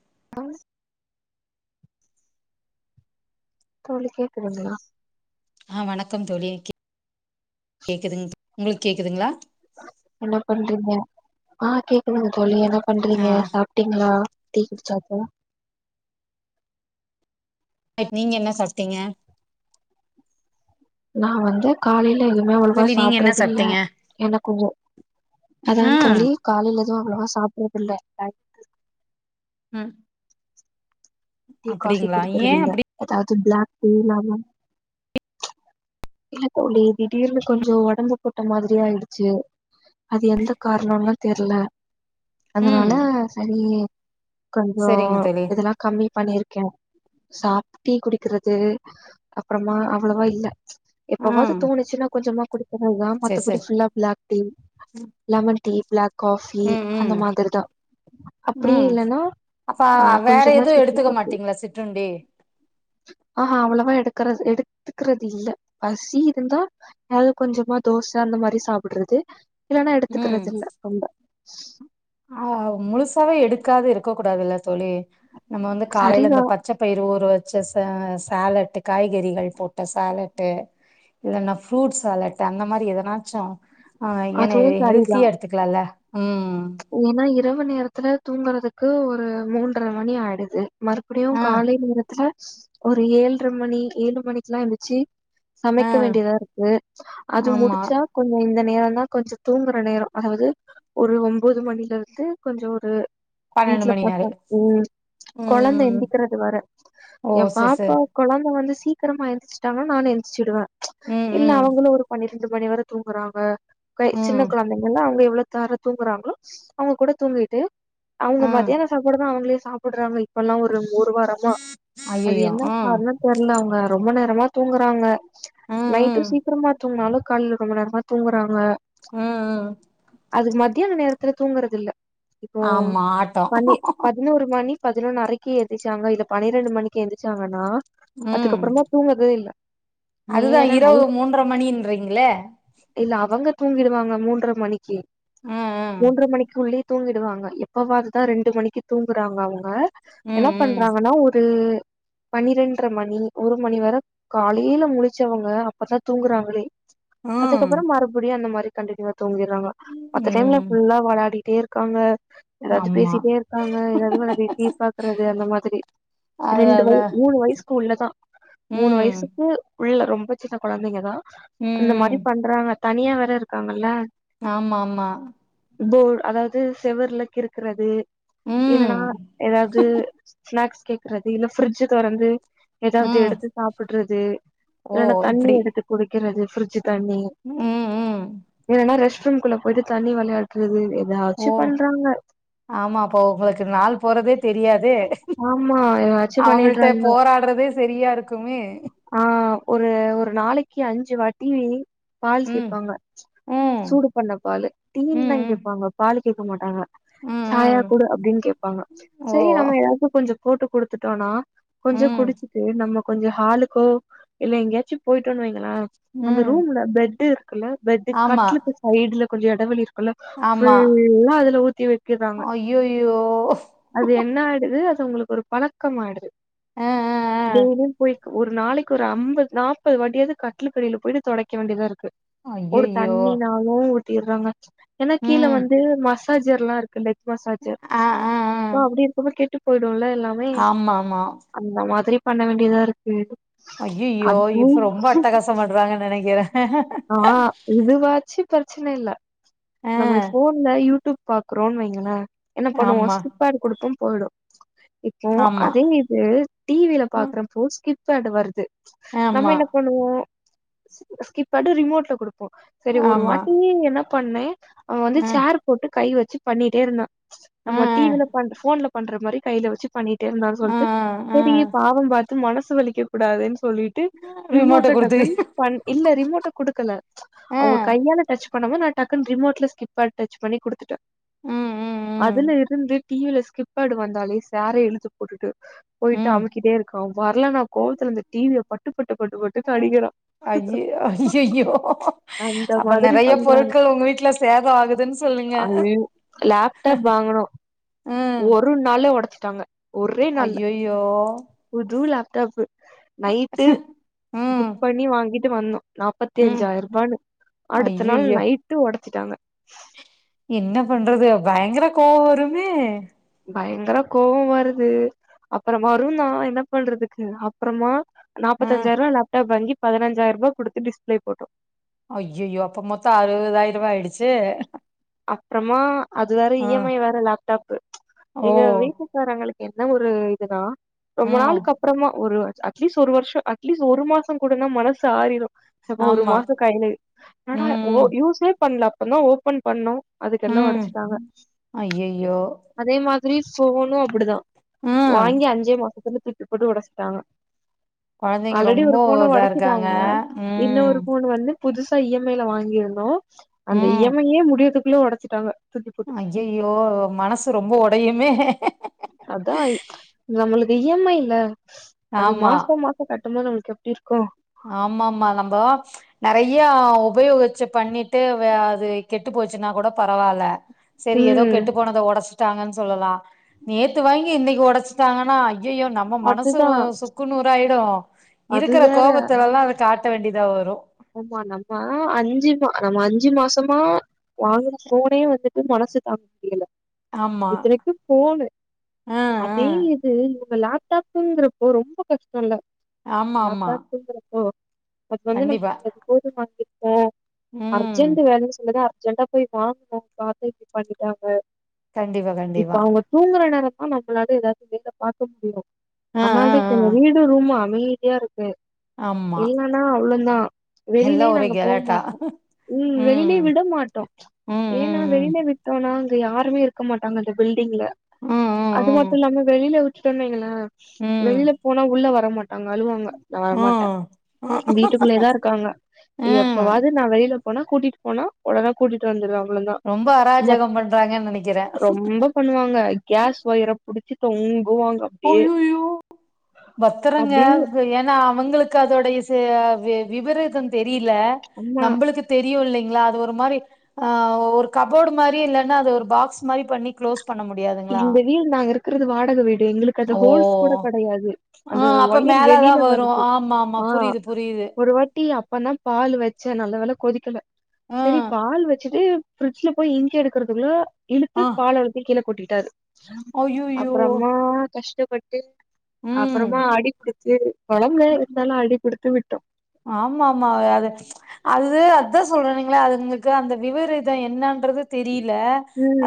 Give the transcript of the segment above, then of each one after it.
[unintelligible] தோழி கேக்குதுங்ளா ஆ வணக்கம் தோழி கே கேக்குதுங் உங்ளுக் கேக்குதுங்ளா என்ன பண்றீங்க ஆ கேக்குதுங்க தோழி என்னப் ஆ பண்றீங்க சாப்ட்டீங்ளா டீ குடிச் சாப்பா நைட் நீங்க என்ன சாப்ட்டிங்க நா வந்து காலைல எதுவுமே அவ்ளவா தோழி நீங்க என்ன சாப்ட்றது இல்ல சாப்ட்டீங்க எனக்குங்கோ அதான் ம் தோழி காலைல எதுவு அவ்ளவா சாப்பிட்றதுல்ல டயட் ம் டீ காஃபி அப்டிங்களா ஏ குடிக்கிறது இல்ல அப்டி எதாவ்து பிளாக் டீ இல்லாம இல்லத் தோழி திடீர்னு கொஞ்சோ ஒடம்பு போட்ட மாதிரி ஆயிடுச்சு அது எந்த கார்ணோன்லா தெர்ல ம் அதனால சரி கொஞ்சோ சரிங்க தோழி இதெலா கம்மிப் பண்ணிருக்கே சாப் டீ குடிக்கிறது அப்றமா அவ்ளவா இல்ல எப்பவாது ம் தோணுச்சுனா கொஞ்சமா குடிப்பனெல்லாம் சரி மத்தபடி சரி ஃபுல்லா black tea lemon tea black coffee ம் ம் அந்த மாதிரிதா அப்டியே ம் இல்லன்னா அப்ப ஆ வேற கொஞ்சமா எதுவு சுக்கு எடுத்துக்க காஃபி மாட்டீங்ளா சிற்றுண்டி [inaudible] ஆஹா அவ்ளவா எடுக்குற எடுத்துக்றது இல்ல பசி இருந்தா எதது கொஞ்சமா தோச அந்த மாரி சாப்புட்றது இல்லன்னா ம் எடுத்துக்குறது இல்ல ரொம்ப ஆ முழுசாவே எடுக்காது இருக்க கூடாதுல்ல தோழி நம்ம வந்து காலைல சரிதா இந்த பச் பச்ச பயிர் ஊற வச்ச ச சாலட்டு காய்கறிகள் போட்ட சாலட்டு இல்லன்னா ஃப்ரூட் சாலட் அந்த மாரி எதனாச்சு ஆ ஏன அதுவு ஹெல்த்தியா எடுத்துக்லால ம் ஏனா இரவு நேரத்துல தூங்குறதுக்கு ஒரு மூன்ற மணி ஆயிடுது மறுபடியு ஆ கால்ல எந்திரிச்சு ஒரு ஏழ்ர மணி ஏழு மணிக்குலா எந்துர்ச்சு ஆ சமைக்க வேண்டிதாருக்கு அது ஆமா முடிச்சா கொஞ்ச இந்த நேரந்தா கொஞ்ச தூங்குற நேரோ அதாவது ஒரு ஒம் ம்போது மணிலேருந்து கொஞ்சோ ஒரு பன்னெண்டு வீட்ல மணி நேர பசங் ம் கொழந்த ம் எந்திக்றது வர ஓ ஏன் செர் பாப்பா செர் கொழந்த வந்து சீக்கரமா எந்திச்ட்டாங்கன்னா நானு எழந்திரிச்சிடுவே ம் இல்ல ம் அவங்களு ஒரு பண்ணி ரெண்டு மணி வர தூங்குறாங்க க ம் சின்ன கொழந்தைங்கல்ல அவங்க எவ்ளோ தார தூங்குறாங்களோ அவங்க கூட தூங்கிட்டு அவங்க ஆ மதியான சாப்பாடு தா அவங்களே சாப்புட்றாங்க இப்பல்லாம் ஒரு வாரம் மா அது ஐயையோ என்ன ம் காரணோ தெர்ல இங்க ரொம்ப நேரமா தூங்குறாங்க ம் நைட்டு ம் சீக்கரமா தூங்குனாலு [inaudible] ரொம்ப நேரமா தூங்குறாங்க ம் ம் அதுக் மத்தியான நேரத்துல தூங்குறது இல்ல இப்போ ஆமா ஆட்டோ பண்ணி பதினோரு மணி பதினொன்னு அரைக்கு எழுந்திச்சாங்க இல்ல பன்னிரெண்டு மணிக்கு எந்திச்சாங்கன்னா ம் அதுக்கப்றமா தூங்கதே இல்ல அதுதா நேரா நைட் இரவு மூன்ற மணின்றீங்களே இல்ல அவங்க தூங்கிடுவாங்க மூன்ற மணிக்கு ம் ம் மூன்ற மணிக்கு உள்ளே தூங்கிடுவாங்க எப்பவாது தா ரெண்டு மணிக்கு தூங்குறாங்க அவங்க என்ன ம் பண்றாங்கன்னா ஒரு பனிரெண்ற மணி ஒரு மணி வர காலைல முழச்சவங்க அப்பதா தூங்குறாங்களே ம் அதுக்கப்றோ ம் மறுபடியு அந்த மாரி கண்டினிவா தூங்கிட்றாங்க மத்த டைம்ல ம் ஃபுல்லா வெளாடிட்டே இருக்காங்க எதாச்சு ஆமா பேசிட்டே இருக்காங்க எதாது வெளாடி டீவி பாக்குறது அந்த மாதிரி அது ரெண்டு வய அதா மூணு வய்சுக்கு உள்ளதா மூணு ம் வய்சுக்கு உள்ள ரொம்ப சின்ன கொழந்தைங்கதா ம் அந்த மாரி ம் பண்றாங்க தனியா வேற இருக்காங்கல்ல ஆமா ஆமா ங்கோ அதாது செவுருல கிருக்குறது ம் இல்லனா எதாது ஸ்நாக்ஸ் கேக்குறது இல்ல பிஃரிட்ஜ தொறந்து எதாவது ம் எடுத்து சாப்புட்றது ஓ இல்லனா தண்ணி இப்டி எடுத்து குடுக்கிறது பிஃரிட்ஜ் தண்ணி ம் ம் இல்லன்னா ரெஸ்ட் ரூம்குள்ள போயிட்டு தண்ணி வல் வெளாட்றது எதா ஓ ஆமா அப்போ உங்களுக்கு நாள் போறதே தெரியாதே ஆமா எதாச்சு அவங்கள்ட்ட போராட்றதே செரியா இருக்குமே ஆ ஒரு ஒரு நாளைக்கு அஞ்சு வாட்டி பால் ம் கேப்பாங்க ம் சூடு பண்ண பாலு ம் டீயின்தா ம் கேப்பாங்க பாலு கேக்க மாட்டாங்க ம் சாயா ம் குடு அப்டின் கேப்பாங்க ஓ செரி நம்ம எல்லாருக்கு கொஞ்சோ போட்டு குடுத்துட்டோனா கொஞ்சோ ம் குடிச்சிட்டு நம்ம கொஞ்சோ ஹாலுக்கோ இல்ல எங்கேயாச்சு போய்டோன் வைங்களா அந்த ம் ரூம்ல பெட்டு இருக்குல்ல பெட்டு ஆமா கட்லுக்கு சைடுல கொஞ்சோ எடவெளி ஆமா ஃபுல்லா அதுல ஊத்தி வெக்கறாங்க ஐயையோ அது என்ன ஆய்டுது அது உங்களுக்கு ஒரு பழக்கம் ஆய்டுது அ அ டெய்லியு போய் ஒரு நாளைக்கு ஒரு அம்பது நாப்பது வாட்டியாது கட்லுகடில போய்ட்டு தொடைக்க வேண்டிதாருக்கு அ ஒரு ஐயையோ தண்ணினாளு ஊத்திறாங்க எனா கீழ ம் வந்து மசாஜர்லா இருக்குல்ல மசாஜர் ஆ ஆ ஆ அ அப்டி இருக்கும்போ கெட்டு போய்டுல எல்லா ஆமா ஆமா அந்த மாதிரி பண்ண வேண்டிதாருக்கு ஐயையோ அது இப்ப ரொம்ப அட்டகாசம் பண்றாங்கன்னு நெனைக்கிறே ஆ இதுவாச்சு ப்ரச்சனை இல்ல ஆ நம்ம ஃபோன்ல யூடூப் பாக்கறோன் வைங்கள என்ன பண்ணுவோ ஆமா பேடு குடுப்போ போய்டு இப்போ ஆமா அதே ஊ டி வீல அ, பாக்குறப்போ ஸ்கிப் ஆட் வருது நம்ம ஆமா என்ன பண்ணுவோ ஸ்கிப் ஆட்டு ரிமோட்ல குடுப்போ செரி ஒரு ஆமா வாட்டி என்ன பண்ணே அவுங்க வந்து ஆ சேர் போட்டு கை வெச்சு பண்ணிட்டே இருந்தா ஆ நம்ம டி வீல பண்ற ஃபோன்ல பண்றமாரி கைல வெச்சு பண்ணிட்டே இருந்தான் ஆ சொல்ட்டு ஆ சேரி பாவம் பாத்து மனசு வலிக்க கூடாதுன் சொல்லிட் ரிமோட்ட ரிமேட்ல குடுத்து டக்குன் பண் இல்ல ரிமோட்ட குடுக்கல ஆ அவுங்க கையால டச் பண்ணமோ நா டக்குன் ரிமோட் ஸ்கிப் ஆட் டச் பண்ணி குடுத்துட்டே ம் ம் ம் அதுல இருந்து டி வீல ஸ்கிப் ஆட்டு வந்தாலே சேர இழுத்து போட்டுட்டு போய்ட்டு ம் அமுக்கிட்டே இருக்கா வர்லனா கோவத்துல அந்த டி வீய பட்டு பட்டு பட்டுப்பட்டுனு அடிக்கிறா ஐய்ய ஐய்யய்யோ அந்த அப்ப மாதிரி நெறைய பண்றா பொருட்கள் உங்க வீட்ல சேதோ ஆகுதுன் ஐயோ லேப்டாப் வாங்கணோ ம் ஒரு நாள்லயே ஒடச்சுட்டாங்க அய்யய்யோ புது லேப்டாப்பு நைட்டு ம் புக் பண்ணி வாங்கிட் டு வந்தோ நாப்பத்தி ம் அஞ்சாய்ருபானு அடுத்த நாள் ஐயையோ நைட்டு ஒடச்சிட்டாங்க என்ன பண்றது பயங்கர கோவோ வருமே பயங்கர கோவோ வருது அப்பறோ வருதா என்ன பண்றதுக்கு அப்றமா ஆ நாப்பத்தஞ்ஞாய்ருவா லேப்டாப் வாங்கி பதினஞ்சாய்ருபா குடுத்து டிஸ்ப்லே போட்டோ அய்யய்யோ அப்ப மொத்தோ அறுவதாய்ருவா ஆய்டுச்சு அப்றமா அது வேற இ எம் ஐ வேற லேப்டாப்பு எங்க ஓ வீட்டு காறங்ளுக்கு என்ன ஒரு இதுனா ரொம்ப ம் நாளுக்கப் அப்றமா ஒரு அட்லீஸ்ட் ஒரு வர்ஷோ அட்லீஸ்ட் ஒரு மாசோ கூடனா மனசு ஆறிரு சபோ ஒரு ஆமா மாசோ கைல என்னடா ஓ ம் யூஸ்ஸே பண்ல அப்பதா ஓபன் பண்ணோ ம் அதுக்கெல்லா ம் ஒடச்சுட்டாங்க ஐயையோ அதே மாதிரி ஃபோனு அப்டிதா ம் வாங்கி அஞ்சே மாசத்துல தூக்கி போட்டு ஒடச்சுட்டாங்க கொழந்தைங்க ஆல்ரெடி ரொம்ப ஒரு ஃபோன இதா இருக்காங்க ஒடச்சுட்டாங்க ம் இன்னோரு ஃபோன் வந்து புதுசா இ எம் ஐல வாங்கிருந்தோ அந்த இ ம் எம் ஐயே முடியதுக்குள்ள ஒடச்சுட்டாங்க தூக்கி போட்டு அய்யய்யோ மனசு ரொம்ப ஒடையுமே அத்தா இ நம்மளுக்கு இ எம் ஐல அது ஆமா மாசோ மா சோ கட்டுமோது நம்ளுக் எப்டி இருக்கு ஆமா ஆமா நம்ப நறைய உபயோகச்சு பண்ணிட்டு அது கெட்டு போச்சுன்னாகூட பரவால்ல செரி எதோ ம் கெட்டு போனத ஒடச்சுட்டாங்கன் சொல்லலா நேத்து வாங்கி இன்னிக் ஒடச்சுட்டாங்கனா ஐ அய்யய்யோ நம்ம மனசு அதுதா சுக்கு நூறாயிடு அது இருக்கிற வேற கோபத் துலல்லா அத காட்ட வேண்டியதா வரு ஆமா நம்ம அஞ்சு மா நம்ம அஞ்சு மாசமா வாங்குன போனே வந்துட்டு மனசு தாங்க முடியில ஆமா இத்தனைக்கு போனு ஆ ஆ இதே இது இவங்க லேப்டாப்ங்கிறப்போ ரொம்ப கஷ்டல்ல ஆமா ஆமா லேப்டாப்ங்கிறப்போ பட் வந்து நம்ம கண்டிப்பா அது போதும் வாங்கிருக்க ம் அர்ஜென்ட் வேலைன் சொன்னத அர்ஜெண்டா போய் வாங்கணு பாத்தா இப்டி பண்ணிட்டாங்க கண்டிப்பா இப்ப கண்டிப்பா அவுங்க தூங்குற நேரமா நம்மளால எதாவது வேல பாக்க முடியு ஆ அதனால் ஆ ஆ தா வீடு ரூமா அமைதியா இருக்கு ஆமா இல்லன்னா அவ்ளதா எல்லா வெளிலயே ஒரே நாங்க போ கெலாட்டா மாட்டோ ம் வெளியிலயு விட மாட்டோ ம் ஏன்னா ம் வெளியில விட் டோம்னா அங்க யாருமே இருக்க மாட்டாங்க அந்த பில்டிங்ல ம் ம் அது மட்டு ம் இல்லாம வெளில விட் டோன்னு வைங்களே ம் ம் வெளில போனா உள்ள வரமாட்டாங்க அழுவாங்க நா வரமாட்டே ம் வீட்டுக்குள்ளயே தான் இரு க்காங்க ம் எப்பவாது நா வெளில போனா கூட்டிட்டு போனா ஒழுங்கா கூட்டிட்டு வந்துருவே அவ்ளதா ரொம்ப அராஜகம் பண்றாங்கன்னு நெனைக்கிறே ரொம்ப பண்ணுவாங்க கேஸ் ஒயற புடிச்சு தொங்குவாங்க அப்டியே அய்யய்யோ பத்தரங்க அப்டியே ஏன்னா அவுங்களுக்கு அதோட ஸ்சு வி விபரீதம் தெரியில அம்மா நம்பளுக்கு தெரியு இல்லைங்ளா அது ஒரு மாரி அ ஒரு கபோடு மாரி இல்லன்னா அது ஒரு பாக்ஸ் மாரி பண்ணி க்ளோஸ் பண்ண முடியாது இந்த வீடு நாங்க இருக்கறது வாடக வீடு எங்களுக் கது ஓ ஹோல்ஸ் கூட கெடையாது ஆ அந்த அப்ப ஒயர் மேலதா வெளில வரு வருது ஆமா ஆமா ஆங் புரியுது புரியுது ஒருவாட் ட்டி அப்பனா பால் வச்சன் நல்ல வேல கொதிக்கல ஆ சரி பால் வச்சுட்டு ஃப்ரிஜ்ல போயி இஞ்சி எடுக்குறதுக்குள்ள இழுத்து ஆ பால அவ்ளத்தயு கீழ கொட்டிட்டாரு அய்யய்யோ அப்பறமா கஷ்டபட்டு ம் அப்பறமா அடி குடுத் செரி கொழம்ல இருந்தாலு அடி குடுத்து விட்டோ ஆமா ஆமா அது அது அதா சொல்றனுங்கள அதுங்களுக்கு அந்த விவரீதம் என்னான்றது தெரியில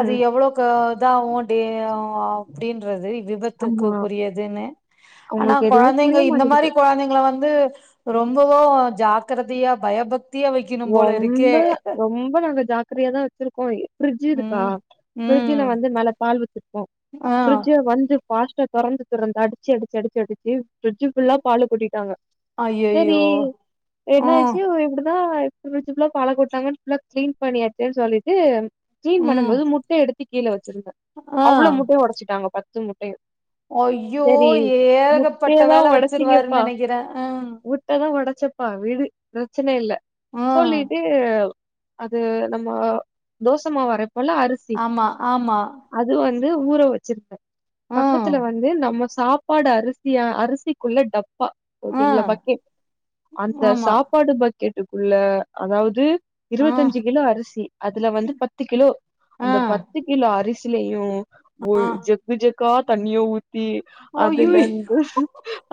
அது எவ்ளோ க இதாவு டே அப்டின்றது ஆமா விபத்துக்குகுரியதுன்னு ஆனா அவங்களுக்கு எதுவுமே கொழந்தைங்க புரிய இந்த மாட்டேங்குது மாரி கொழந்தைங்கள வந் து ரொம்பவு ஜாக்ரதயா பயபக் ரொம்ப ரொம்ப நல்ல ஜாக் அக்கறையா தா வச்சிருக்கோ ஃப்ரிஜ் இருக்கா ம் ஃப்ரிஜ்ல ம் வந்து மேல பால் வச்சிருப்போ ஆ ஃப்ரிஜ வந்து பாஸ்டா தொறந்து தொறந்து அடிச்சு அடிச்சு அடிச்சு அடிச்சு ஃப்ரிஜு ஃபுல்லா பாலு கொட்டிட்டாங்க செரி ஐயையோ என்ன ம் ஆச்சு இப்டுதா ப்ரிஜ் ஃபுல்லா பால கொட்னாங்கன்னு ஃபுல்லா கிளீன் பண்ணியாச்சேன்னு சொல்லிட்டு கிளீன் பண்ணும் ம் போது முட்டை எடுத் து கீழ வச்சிருந்த ஆ அவ்ளோ முட்டயு ஒடச்சிட்டாங்க பத்து முட் டயு ஐயோ சேரி ஏகப்பட்ட முட்டயதா வேல வச்சிருவாருன்னு ஒடச்சிங்கப்பா நெனைக்கிறே ம் முட் டதா ஒடச்சப்பா விடு பிரச்சன இல்ல ம் சொல்லிட்டு அது நம்ம தோசமாவு அரப்போல்ல அரிசி ஆமா ஆமா அது வந்து ஊற வச்சிருப்பே ஆ பக்கத்துல வந்து நம்ம சாப் ப்பாடு அரிசியா அரிசிக்குள்ள டப்பா ஆ ஓகேங்ளா பக்கெட் அந்த ஆமா சாப் பாடு பக்கெட்டுக்குள்ள அதாவது ஆ இருவத்தஞ்சு கிலோ அரிசி அதுல வந்து பத்து கிலோ ஆ அந்த பத்து கிலோ அரிசிலயு ஆ ஒய் ஜெக்கு ஜெக்கா தண்ணிய ஊத்தி அதுல அய்யய்யோ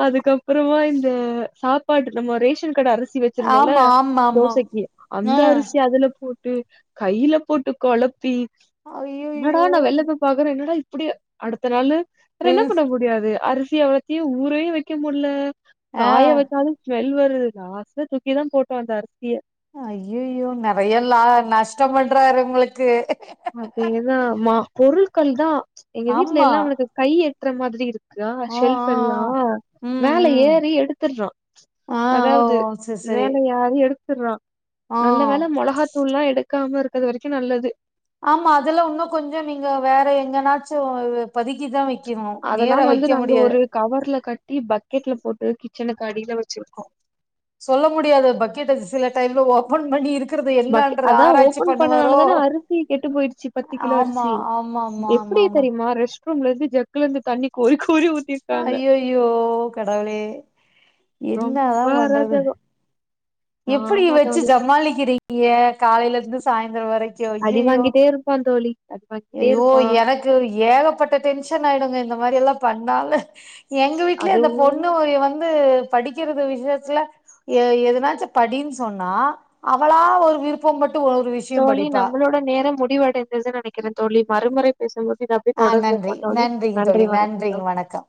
அதுக்கப்பறமா இந்த சாப்பாடு நம்ம ரேஷன் கட அரிசி வ ஆமா ஆமா ஆமா தோசைக்கி அந்த ஆ அரிசி அதுல போட்டு கைல போட்டு கொழப்பி என்னடா அய்யய்யோ நா வெளில போய் பாக்கறே என்னடா இப்படியா அடுத்த நாளு வேற என்ன பண்ண முடியாது அரிசி அவ்ளத்தையு ஊரவே வெக்க முடுல ஆ காய வச்சாலு டுவெல் வருது லாஸ்ட்ல தூக்கி தா போட்டோ அந்த அரிசிய ஐயய்யோ நறைய லா நஷ்டோ பண்றாரு உங்களுக்கு அதேதா மா பொருள்கள் தா எங்க வீட்ல ஆமா எல்லா அவனுக்கு கை எட்ற மாதிரி இருக் கா ஆ ஷெல்ஃப் ஆ எல்லா ஆ ம் மேல ம் ஏறி எடுத்தர்றா ஆ ஓ அதாவது செரி செரி மேல யாரு எடுத் தர்றான் ஆ நல்ல வேல மொளகாத்தூளல எடுக்காம இருக்கறது வரைக்கு நல்லது ஆமா அதுல உன்னு கொஞ்சோ நீங்க வேற எங்கனாச்சு பதுக்கிதா வெக் கிணு நேரா அதெல்லாம் வந்து வெக்க நாங்க முடியாது ஒரு கவர்ல கட்டி பக்கெட்ல போட்டு கிச்சனுக்கு அடில வச்சிருக்கோ சொல்ல முடியாது பக்கெட்டு சில டைம்ல ஓபன் பண்ணி இரு ப அதா ஓபன் பண்ணனாலதான அரிசி கெட்டு போயிருச்சு பத்து கிலோ ஆமா அரிசி ஆமா ஆமா ஆமா எப்படி ஆமா தெரிமா ரெஸ்ட்ரூம்ல இருந்து ஜக்ல இருந்து தண்ணி கோரி கோரி ஊத்திருக்காங்க ஐயையோ கடவுளே என்னாதா ரொம்ப பண்றது அராஜகோ எப்புடி ஆமா வெச்சு தோழி ஜமாளிக்கிறீங்க காலையில இருந்து சாய்ந்தரோ வரை அடி வாங்கிட்டே இருப்பா தோழி அடி வாங்கிட்டே ஐயோ இருப்பா எனக்கு ஏகப்பட்ட டென்ஷன் ஆயடுங்க இந்த மாரி எல்லா பண்ணால எங்க வீட்ல அதுவு இந்த பொண்ணு [unintelligible] வந்து படிக்கிறது விஷயத்துல எ எதனாச்சு படின்னு சொன்னா அவளா ஒரு விருப்பம் பட்டு ஒரு விஷ தோழி நம்பளோட நேரோ முடிவடைந்ததுன்னு நெ னைக்கறே தோழி மறுமுறை பேசும்போது இத அப்படி ஆ நன்றி தொடங்குவமா தோழி நன்றிங்க தோழி நன்றி வணக்கம் நன்றிங்க தோழி வணக்கம்